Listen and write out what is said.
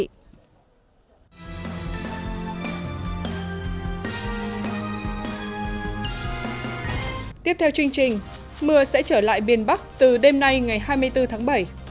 tiếp theo chương trình mưa sẽ trở lại miền bắc từ đêm nay ngày hai mươi bốn tháng bảy